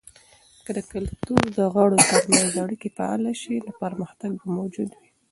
که د کلتور د غړو ترمنځ اړیکې فعاله سي، نو پرمختګ به موجود وي.